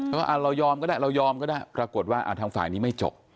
ว่าเรายอมก็ได้เรายอมก็ได้ปรากฏว่าทางฝ่ายนี้ไม่จบ